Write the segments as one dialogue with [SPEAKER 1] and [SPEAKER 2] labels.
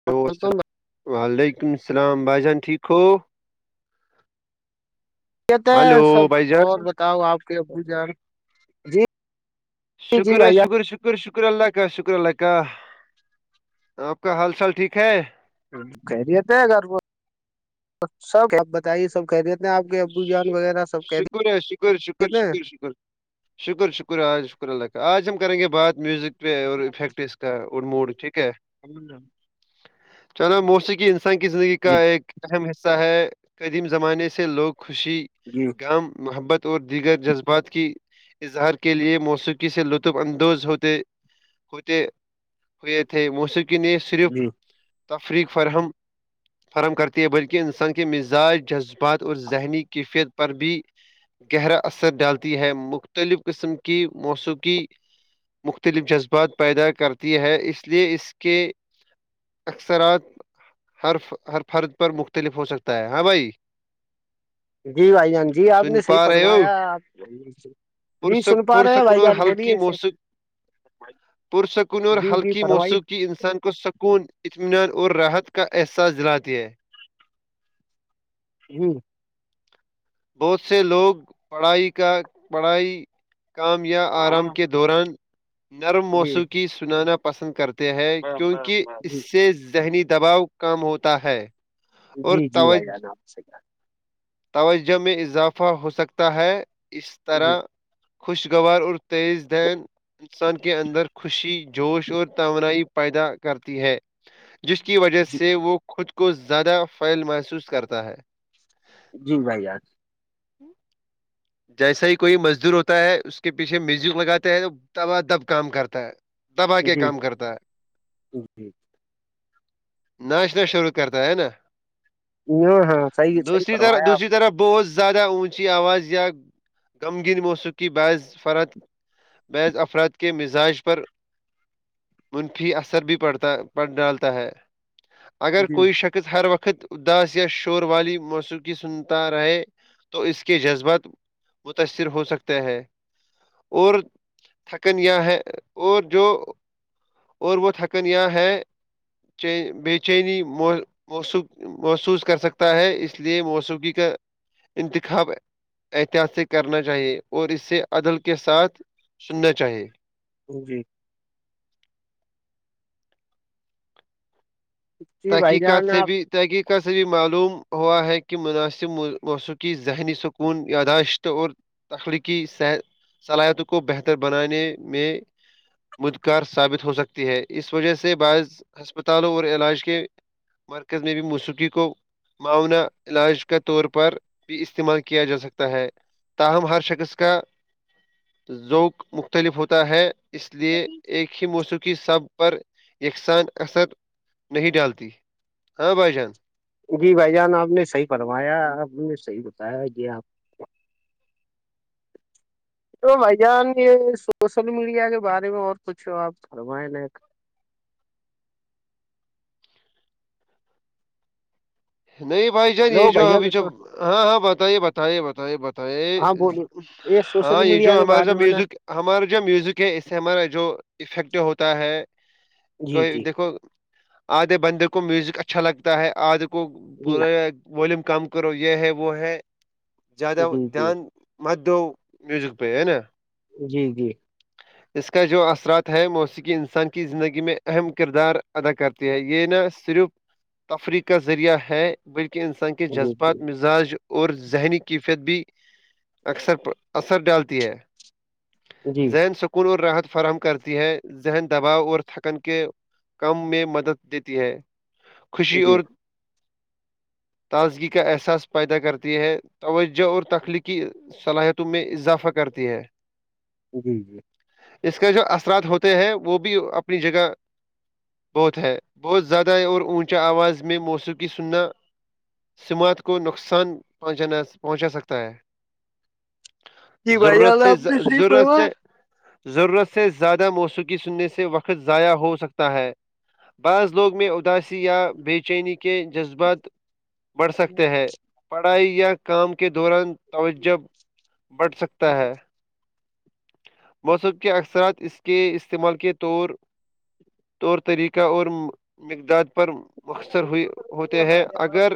[SPEAKER 1] hello السلام
[SPEAKER 2] کہتے
[SPEAKER 1] و ععلیکم السلام بھائی جان ٹھیک ہو
[SPEAKER 2] [unintelligible] ت ہے
[SPEAKER 1] ہلو
[SPEAKER 2] سب
[SPEAKER 1] بھائی جان
[SPEAKER 2] اور بتاؤ آپ کے ابو جان جی جی
[SPEAKER 1] شکر ہے
[SPEAKER 2] بھائی جان
[SPEAKER 1] شکر شکر شکر شکر اللہ کا شکر اللہ کا آپ کا حال چال ٹھیک ہے
[SPEAKER 2] خہریتے ہیں گھر سبب بتائیے سب کہہریتے ہیں آپ کے ابو جان وغیرہ سب خیریت
[SPEAKER 1] شکور ہے شک شکور
[SPEAKER 2] ہیں
[SPEAKER 1] شکور شکور [unintelligible] شکر شکر آ شکر اللہ کا آج ہم کریں گے بات میوزک [unintelligible] اور افیکٹ اس کا اور موڈ ٹھیک ہے چلو موسیق انسان کی زندگی
[SPEAKER 2] جی
[SPEAKER 1] کا ایک اہم حصہ ہے قدیم زمانے سے لوگ خوشی
[SPEAKER 2] جی [inaudible]
[SPEAKER 1] عام محبت اور دیگر جذبات کی اظہار کے لیے موسیقی سے لطف اندوز ہوتے ہوتے ہوئے تھے موسیق ن [unintelligible] صرف
[SPEAKER 2] جی
[SPEAKER 1] تفریقرم فراہم کرتی ہے بلکہ انسان کے مزاج جذب بات اور ذہنی کیفیت پر بھی گہرا اثر ڈالتی ہے مختلف قسم کی موسیقی مختلف جذبات پیدا کرتی ہے اس لیے اس کے اکثرات ہر ہر فرد پر مختلف ہو سکتا ہے ہاں بھائی
[SPEAKER 2] جی بھائی جان جی آپ
[SPEAKER 1] سن
[SPEAKER 2] نے صحیح
[SPEAKER 1] پا رہے ہو
[SPEAKER 2] فرمایا آپ جی
[SPEAKER 1] پرسک
[SPEAKER 2] سن پا رہے ہیں
[SPEAKER 1] پرسکون
[SPEAKER 2] بھائی
[SPEAKER 1] اور
[SPEAKER 2] جار
[SPEAKER 1] ہلکی
[SPEAKER 2] بولیےسے
[SPEAKER 1] موسیق پرسکون اور ہلکی
[SPEAKER 2] فرمائی
[SPEAKER 1] موسیوق کی انسان کو سکون اطمینان اور راحت کا احساس دلاتی ہے
[SPEAKER 2] [inaudible] ہوں
[SPEAKER 1] بہت سے لوگ پڑھائی کا پڑھائی کام یا آرام
[SPEAKER 2] ہاں
[SPEAKER 1] کے دوران نرم
[SPEAKER 2] جی جی
[SPEAKER 1] موسیقی سنانا پسند کرتے ہیں کیونکہ اس سے ذہنی دباؤ کم ہوتا ہے اور
[SPEAKER 2] جی جی بھائی
[SPEAKER 1] توجہ
[SPEAKER 2] جانا آپ سے کیا
[SPEAKER 1] توجہ میں اضافہ ہو سکتا ہے اس
[SPEAKER 2] جی
[SPEAKER 1] طرح خوشگوار اور تیز دین [unintelligible] انسان کے اندر خوشی جوش اور توانائی پیدا کرتی ہے جس کی وجہ
[SPEAKER 2] جی
[SPEAKER 1] سے وہ خود کو زیادہ فعل محسوس کرتا ہے
[SPEAKER 2] جی بھائی ار [unintelligible]
[SPEAKER 1] ہوں [inaudible] جیسا ہی کوئی مزدور ہوتا ہے اس کے پیچھے میوزک لگاتے ہے تو دبا دب کام کرتا ہے دبا کے
[SPEAKER 2] جی
[SPEAKER 1] کام کرتا ہے
[SPEAKER 2] جی
[SPEAKER 1] ناچنا شروع کرتا ہے نا [unintelligible]
[SPEAKER 2] ہ ہاں صحی صح کروایا آپ
[SPEAKER 1] اس
[SPEAKER 2] [unintelligible]
[SPEAKER 1] کی طرح بہت زیادہ اونچی آواز یا غمگنی موسیقی باعث فرت محض افراد کے مزاج پر [unintelligible] منفی اثر بھی پڑتا پڑ ڈالتا ہے اگر
[SPEAKER 2] جی
[SPEAKER 1] کوئی شخص ہر وقت اداس یا شور والی موسیق سنتا رہے تو اس کے جذبات متاثر ہو سکتے ہیں اور تھکنیا ہے اور جو [unintelligible] اور وہ تھکنیا ہے بے چینی محسوس کر سکتا ہے اس لیے ل موس کی کا [unintelligible] انتخاب احتیاط سے کرنا چاہیے اور اسے عدل کے ساتھ سننا چاہیے
[SPEAKER 2] جی [inaudible] جی بھائی
[SPEAKER 1] تحقیقات
[SPEAKER 2] جان
[SPEAKER 1] سے
[SPEAKER 2] آپ
[SPEAKER 1] بھی [unintelligible] تحقیق کا سے بھی معلوم ہوا ہے کہ مناسب موسیقی ذہنی سکون یاداشت اور تخلیقی صلاحیتوں کو بہتر بنانے میں مدکار ثابت ہو سکتی ہے اس وجہ سے بعض ہسپتالوں اور علاج کے مرکز نے بھی موسیقی کو [unintelligible] معاون علاج کا طور پر بھی استعمال کیا جا سکتا ہے تاہم ہر شخص کا ذوک مختلف ہوتا ہے اس لیے ایک ہی موسیقی سب پر یکساں اثر نہیں ڈالتی ہاں بھائی جان
[SPEAKER 2] جی بھائی جان آپ نے صحیح فمایا آپ نے صحیح بتایا یہ آپ تو بھ جان یہ سوشل میڈیا کے بارے میں اور کچھ ہو آپ فرمائیں ن
[SPEAKER 1] نہیں بھائی جان
[SPEAKER 2] ہلو
[SPEAKER 1] یہ جو
[SPEAKER 2] بھائی جان
[SPEAKER 1] ابھی جو ہاں ہاں بتائیے بتائیے بتائیے بتے
[SPEAKER 2] ہاں بولو یہ سوشل
[SPEAKER 1] ہاں یہ
[SPEAKER 2] میڈیا
[SPEAKER 1] جو
[SPEAKER 2] کے
[SPEAKER 1] ہمارے
[SPEAKER 2] بارے
[SPEAKER 1] س
[SPEAKER 2] میں نا
[SPEAKER 1] میوزک ہمارا جو میوزک ہے اس سے ہمارا جو افیکٹو ہوتا ہے
[SPEAKER 2] جی
[SPEAKER 1] کوئی
[SPEAKER 2] جی
[SPEAKER 1] دیکھو آدھے بندے کو میوزک اچھا لگتا ہے آدھے کو
[SPEAKER 2] جی
[SPEAKER 1] پورے والوم کم کرو یہ ہے وہ ہے زیادہ
[SPEAKER 2] جی جی
[SPEAKER 1] دھیان مادو میوزک پہ ہے نا
[SPEAKER 2] جی جی
[SPEAKER 1] اس کا جو اثرات ہے موسیقی انسان کی زندگی میں اہم کردار ادا کرتی ہے یہ نہ صرف تفریح کا ذریعہ ہے بلکہ انسان کہ
[SPEAKER 2] جی
[SPEAKER 1] جذبات مزاج اور ذہنی کیفیت بھی اکثر اثر ڈالتی ہے
[SPEAKER 2] جی جی
[SPEAKER 1] ذہن سکون اور راحت فراہم کرتی ہے ذہن دباؤ اور تھکن کے کم میں مدد دیتی ہے خوشی
[SPEAKER 2] جی
[SPEAKER 1] اور تازگی کا احساس پیدا کرتی ہے توجہ اور تخلیقی صلاحیتوں میں اضافہ کرتی ہے
[SPEAKER 2] جی جی
[SPEAKER 1] اس کے جو اثرات ہوتے ہیں وہ بھی اپنی جگہ بہت ہے بہت زیادہ اور اونچا آواز میں موسیقی سننا سماعت کو نقصان پہنچانا پہنچا سکتا ہے
[SPEAKER 2] جی بھائی
[SPEAKER 1] ضرورت
[SPEAKER 2] جان
[SPEAKER 1] سے
[SPEAKER 2] آپ نے صحیح
[SPEAKER 1] ضرورت سے
[SPEAKER 2] فرمایا
[SPEAKER 1] ضرورت سے زیادہ موسیقی سننے سے وقت ضائع ہو سکتا ہے بہض لوگ میر اداسی بے چین کےے جذبات بڑھ سکتے ہیں پڑھائی یا کام کے دوران توجہ بٹھ سکتا ہے موسم کے اکثرات اس کے استعمال کے طور طور طریقہ اور مقدار پر مخصر ہو ہوتے ہیں اگر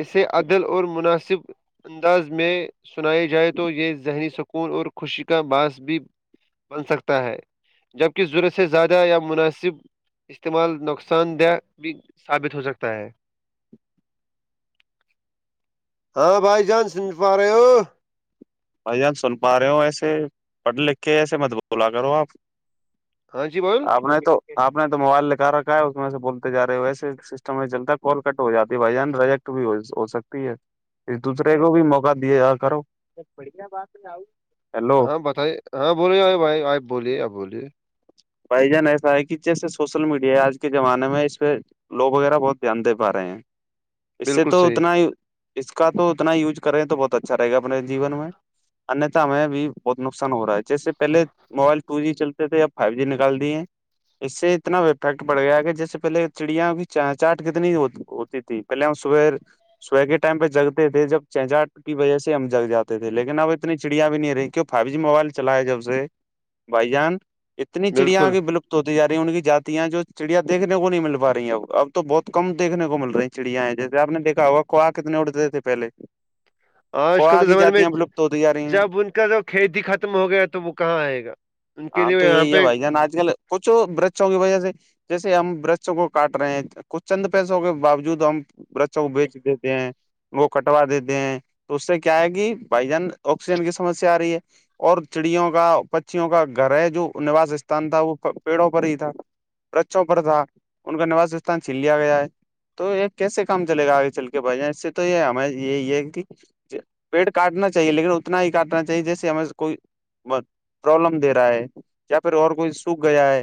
[SPEAKER 1] اسے عدل اور مناسب انداز میں سنائی جائے تو یہ ذہنی سکون اور خوشی کا باعث بھی بن سکتا ہے جبک ضرورت سے زیادہ یا مناسب استعمال نقصان دہ بھی ثابت ہو سکتا ہے ہاں بھائی جان سن پا رہے ہو
[SPEAKER 2] بھائی جان سن پا رہے ہو ایسے پڑھ لکھ کے ایسے متبولا کرو آپ
[SPEAKER 1] ہاں جی بول
[SPEAKER 2] آپ نے تو آپ نے تو موبائل لکھا رکھا ہے اس میں سے بولتےا رہے ہو ویسے سسٹم نہیں چلتا کال کٹ ہو جاتی ہے بھائی جان رج بھی ہو سکتی ہے ایک دوسرے کو بھی موقع دیا جا کرو بڑیا بات نہؤ
[SPEAKER 1] ہاں بتائیے ہاں بوللیے آ بھائی آ بولیے آپ بولیے
[SPEAKER 2] بھائی جان ایسا ہے کہ جیسے سوشل میڈیا ہے آج کے زمانے میں اس پہ لوگ وغیرہ بہت دھیان دے پا رہے ہیں اس سے
[SPEAKER 1] بالکل
[SPEAKER 2] تو
[SPEAKER 1] صحیح
[SPEAKER 2] اتنا ہی اس کا تو اتنا یوز کریں تو بہت اچھا رہے گا اپنے جیون میں انیہتایں بھی بہت نقصان ہو رہا ہے جیسے پہلے موبائل ٹو جی چلتے تھے اب فائیو جی نکال دیے اس سے اتنا افیکٹ پڑ گیا کہ جیس سے پہلے چڑیا کی چ چاٹ کتنی ہوتی تھی پہلے ہم صبح سو کے ٹائم پہ جگتے تھے جب چہجاٹ کی وجہ سے ہم جگ جاتے تھے لیکن اب اتنی چڑیا بھی نہیں رہی کی فائیو جی موبائل چلا ہے جب سے بھائی جان اتنی چڑیا کی بالکل ہوتی ج رہی ان کی جاتیاں جو چڑیاںیکھنے کو نہیں مل پا رہی ہیں اب اب تو بہت کم دیکنے کو مل رہی ہیں چھڑیاں ہیں جیسے آپ نے دیکا ہوا کووا کتنے اٹتے تھے پہلے
[SPEAKER 1] آج کل
[SPEAKER 2] کووا
[SPEAKER 1] کے
[SPEAKER 2] کی
[SPEAKER 1] زمانے میں
[SPEAKER 2] جاتیاں ولپت ہوتی جا رہی ہیں
[SPEAKER 1] جب ان کا جو کھیتی ختم ہو گیا تو وہ کہاں آئے گا ان کے لیے یہاں پہ
[SPEAKER 2] ع آج کل کچھ برچوں کی وجہ سے جیسے ہم برشوں کو کاٹ رہے ہیں کچھ چند پیسوں کے باوجود ہم برچا کو بیچ دیتے ہیں وہ کٹوا دیتے ہیں تو اس سے کیا ہے کہ بھائی جان آکسیجن کی سمسیا آ رہی ہے اور چڑیوں کا پچوں کا گھر ہے جو نوس استھان تھا وہ پیڑوں پر ہی تھا بچوں پر تھا ان کا نوسستھان چھین لیا گیا ہے تو یہ کیسے کام چلے گا آگے چل کے بھائی اس سے تو یہ ہمار یہی ہے کہ پیڑ کاٹنا چاہیے لیکن اتنا ہی کاٹنا چاہیے جیسے ہمیں کوئی مت پرابلم دے رہا ہے یا پھر اور کوئی سوکھ گیا ہے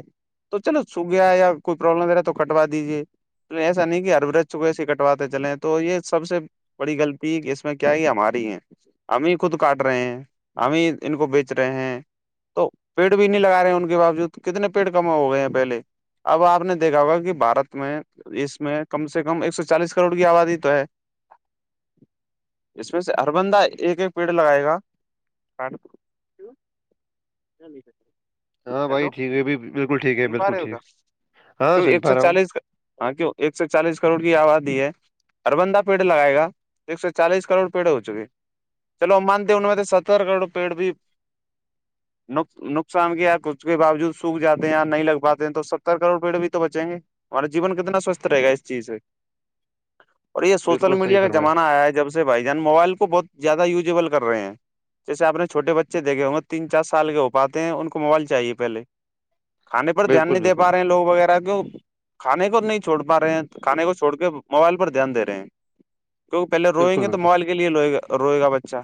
[SPEAKER 2] تو چلو سوکھ گیا ہے یا کوئی پرابلم د رہا ہے تو کٹوا دیجیے تو ایسا نہیں کہ ہربورجسے کٹواتے چلیں تو یہ سب سے بڑی غلطی ہے کہ اس میں کیا یہ ہماری ہے ہمیں خود کاٹ رہے ہیں ہمیں ان کو بیچ رہے ہیں تو پیڑ بھی نہیں لگا رہے کے باوجود کتنے پیڑ کم ہو گئے ہیں پہلے اب آپ نے دیکھا ہوگا کہ بارت میں اس میں کم سے کم ایک سو چالیس کروڑ کی آبادی تو ہے
[SPEAKER 1] [unintelligible]
[SPEAKER 2] اس میں سے ہر بندہ ایک ایک پیڑ لگائے گا ک جلدی سک
[SPEAKER 1] ہاں بھائی
[SPEAKER 2] ہیلو
[SPEAKER 1] ٹھیک ہے بھی بالکل ٹھیک ہے
[SPEAKER 2] بن پا
[SPEAKER 1] بالکل
[SPEAKER 2] رہے ہو کا
[SPEAKER 1] ٹھیک
[SPEAKER 2] تو
[SPEAKER 1] ہاں سن
[SPEAKER 2] ایک سو
[SPEAKER 1] پا رہا ہوں
[SPEAKER 2] چالیس کا ہاں کیوں ایک سو چالیس کروڑ کی آبادی ہے اربندہ پیڑ لگائے گا ایک سو چالیس کروڑ پیڑ ہو چکے چلو مانتے ان میں تو ستر کروڑ پیڑ بھی نقصان کیا ہے اس کے باوجود سوکھ جات ہیں نہیں لگ پاتے ہیں تو ستر کروڑ پیڑ بھی تو بچیں گے ہمارا جیون کتنا سوستھ رہے گا اس چیز سے
[SPEAKER 1] [unintelligible]
[SPEAKER 2] اور یہ سوشل
[SPEAKER 1] بالکل صحیح
[SPEAKER 2] میڈیا کا
[SPEAKER 1] فرمائے
[SPEAKER 2] زمانہ آیا ہے جب سے بھائی جان موبائل کو بہت زیادہ ویبل کر رہے ہیں جیسے آ نے چھوے بچ دیکھے گ تین چار سال کے ہو پاتے ہیں ان کو موبائل چاہیے پہلے کھانے پر دھیان
[SPEAKER 1] بالکل
[SPEAKER 2] نہیں دے
[SPEAKER 1] بالکل
[SPEAKER 2] پا رہے ہیں لوگ وغیرہ کی کھانے کو نہیں چھوڑ پا رہے ہیں تو کھانے کو چھوڑ کے موبائل پر دھیانے رہے ہیں کیکہے
[SPEAKER 1] بالکل
[SPEAKER 2] رئیںے تو
[SPEAKER 1] بالکل
[SPEAKER 2] مبائل کے لیے لوا روئےا بچہ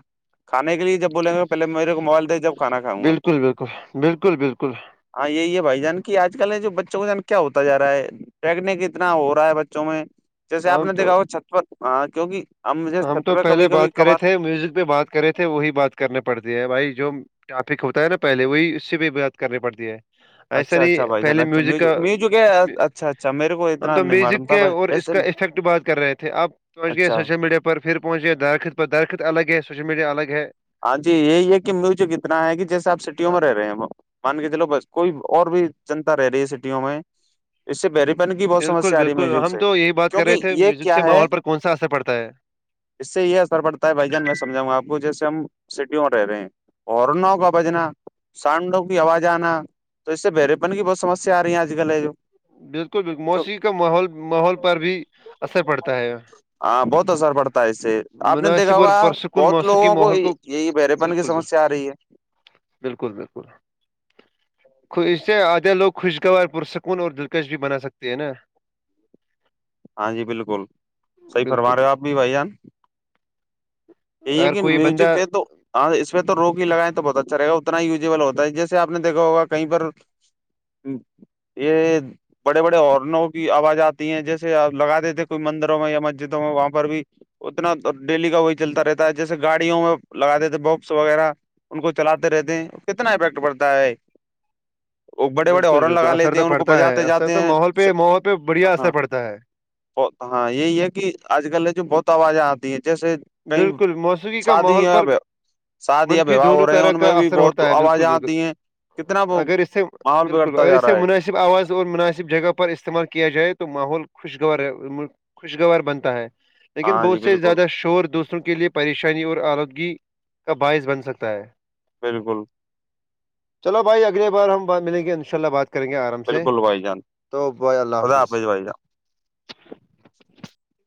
[SPEAKER 2] کھے کے لیے جب بولیں گے پہلے میرے کو موبائل دے جب کھانا کھاؤں گا
[SPEAKER 1] بالکل بالکل بالکل بالکل
[SPEAKER 2] ہاں یہی ہے بھائی جان کی آج کل ہے جو بچوں کا جان کیا ہوتا جا رہا ہے ٹیکنک اتنا ہو رہا ہے بچوں میں جیسے آپ
[SPEAKER 1] ہم
[SPEAKER 2] نے
[SPEAKER 1] تو
[SPEAKER 2] دیکھا ہو چھت پن ہاں کیوںکہ
[SPEAKER 1] ہم تو پہلے بات کرے تھے میوزک پہ بات کرے تھے وہی بات کرنی پڑتی ہے بھائی جو ٹافک ہوتا ہے نا پہلے وہی اس سے بھی بات کرنی پڑتی ہے ایسا
[SPEAKER 2] اچھا اچھا
[SPEAKER 1] نہیں
[SPEAKER 2] بھائی جان
[SPEAKER 1] پہلے
[SPEAKER 2] اچھا
[SPEAKER 1] میوزک کا
[SPEAKER 2] میوزک ہے اچھا اچھا میرے کو
[SPEAKER 1] ہم
[SPEAKER 2] اتنا
[SPEAKER 1] تو
[SPEAKER 2] نہیں معلوم
[SPEAKER 1] میوزک
[SPEAKER 2] تھا
[SPEAKER 1] کے
[SPEAKER 2] بھائی
[SPEAKER 1] اور اس
[SPEAKER 2] ایسے
[SPEAKER 1] کا افیکٹ بات کر رہے تھے آ پہنچ گئے
[SPEAKER 2] اچھا
[SPEAKER 1] سوشل میڈیا پر پر پھر پہنچ گیا درخت پر درخت الگ ہے سوشل میڈیا الگ ہے
[SPEAKER 2] ہاں جی یہی ہے کہ میوجک اتنا ہے کہ جیسے آ سٹیوں میں رہے ہیں مان کے چلو بس کوئی اور بھی چنتا رہ رہی ہے سٹیوں میں اس سے بری پانی کی بہت
[SPEAKER 1] بالکل
[SPEAKER 2] سسیا آ رہی ہے
[SPEAKER 1] بالکل
[SPEAKER 2] میک
[SPEAKER 1] ہم
[SPEAKER 2] سے
[SPEAKER 1] تو یہی بات کر رہے
[SPEAKER 2] کیونکہ
[SPEAKER 1] تھے
[SPEAKER 2] یہ
[SPEAKER 1] میوزک
[SPEAKER 2] کیا
[SPEAKER 1] سے
[SPEAKER 2] ہے
[SPEAKER 1] ماحول پر کون سا اثر پڑتا ہے
[SPEAKER 2] اس سے یہ اثر پڑتا ہے بھائی جان میں سمجاؤںا آپ کو جیے ہم سٹی ہو رہے رہے اورور نہا ہو کاا بجین سانڈو کی آواز آنا تو اس سے برےپن کی بہت سمسیا آ رہی ہے آج کل ہے جو
[SPEAKER 1] بالکل بک
[SPEAKER 2] کیوں-
[SPEAKER 1] موسیقی کا ماحول ماحول پر بھی اثر پڑتا ہے
[SPEAKER 2] ہاں بہت اثر پڑتا ہے اس سے آپ نے دیکھا
[SPEAKER 1] مناسب اور
[SPEAKER 2] ہوگا
[SPEAKER 1] پرسکون
[SPEAKER 2] بہت
[SPEAKER 1] موسیقی
[SPEAKER 2] لوگوں کو
[SPEAKER 1] ماحول
[SPEAKER 2] یہ بہرے پن کی
[SPEAKER 1] بالکل بال-
[SPEAKER 2] سمسیا آ رہی ہے
[SPEAKER 1] بالکل بالکل اس سے آدھے لوگ خوشگوار پرسکون اور دلکش بھی بنا سکتے ہیں نا
[SPEAKER 2] ہاں جی بالکل صحی
[SPEAKER 1] بالکل
[SPEAKER 2] فرما رہے ہو آپ
[SPEAKER 1] بالکل،
[SPEAKER 2] بھی بھائی جان
[SPEAKER 1] اگر
[SPEAKER 2] لیکن
[SPEAKER 1] کوئی بندہ
[SPEAKER 2] میوزک ہے تو ہاں اس میں تو روک ہی لگائیں تو بہت اچھا رہے گا اتنا یوزیبل ہوتا ہے جیسے آپ نے دیکھا ہوا کہیں پر یہ بڑے بڑے ہارنوں کی آواز آتی ہے جس لگا دیتے تھے کوئی مندروں میں یا مسجدوں میں وہاں پر بھی اتنا ڈیلی کا وہی چلتا رہتا ہے جیسے گاڑیوں میں لگا دیتے تھے بپس وغیرہ ان کو چلاتے رہتے ہیں کتنا افیکٹ پڑتا ہے وہ بڑے بڑے
[SPEAKER 1] بالکل
[SPEAKER 2] ہارن
[SPEAKER 1] بالکل
[SPEAKER 2] لگا
[SPEAKER 1] اثر
[SPEAKER 2] لیتے
[SPEAKER 1] تو
[SPEAKER 2] ہیں ان کو
[SPEAKER 1] پڑتا ہے
[SPEAKER 2] بجاتے
[SPEAKER 1] اثر
[SPEAKER 2] جاتے
[SPEAKER 1] تو
[SPEAKER 2] ہیں
[SPEAKER 1] ماحول پہ ماحول پہ بڑھیا اثر
[SPEAKER 2] ہاں
[SPEAKER 1] پڑتا ہے
[SPEAKER 2] ہاں یہی ہے کہ آج کل جو بہت آوازیں آتی ہے جیسے کئی
[SPEAKER 1] بالکل موسیقی کا ماحول
[SPEAKER 2] شادی
[SPEAKER 1] پر
[SPEAKER 2] ہے شادی یا
[SPEAKER 1] منفی
[SPEAKER 2] وواہ
[SPEAKER 1] دونوں
[SPEAKER 2] ہو رہے ہیں
[SPEAKER 1] طرح
[SPEAKER 2] ان
[SPEAKER 1] کا
[SPEAKER 2] میں بھی
[SPEAKER 1] اثر
[SPEAKER 2] بہت
[SPEAKER 1] ہوتا ہے بالکل
[SPEAKER 2] آوازیں
[SPEAKER 1] بالکل
[SPEAKER 2] آتی ہیں کتنا وہ
[SPEAKER 1] اگر اس سے
[SPEAKER 2] ماحول
[SPEAKER 1] بالکل
[SPEAKER 2] بگڑتا
[SPEAKER 1] اگر
[SPEAKER 2] جا
[SPEAKER 1] اسے
[SPEAKER 2] رہا ہے
[SPEAKER 1] مناسب آواز اور مناسب جگہ پر استعمال کیا جائے تو ماحول خوشگوار رہے خوشگوار بنتا ہے لیکن
[SPEAKER 2] ہاں جی
[SPEAKER 1] بہت سے
[SPEAKER 2] بالکل
[SPEAKER 1] زیادہ شور دوسروں کے لئے پریشانی اور آلودگی کا باعث بن سکتا ہے
[SPEAKER 2] بالکل
[SPEAKER 1] چلو بھائی اگلے بار ہم ملیں گے ان شاء اللہ بات کریں گے آرام سے
[SPEAKER 2] بالکل بھائی جان
[SPEAKER 1] تو بائی اللہ
[SPEAKER 2] خدا
[SPEAKER 1] حافظ
[SPEAKER 2] بھائی جان